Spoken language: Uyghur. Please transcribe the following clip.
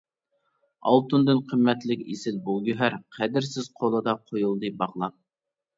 ئالتۇندىن قىممەتلىك ئېسىل بۇ گۆھەر، قەدىرسىز قولىدا قويۇلدى باغلاپ.